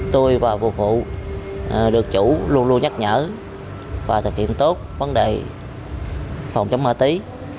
tôi và phục vụ được chủ luôn luôn nhắc nhở và thực hiện tốt vấn đề phòng chống ma túy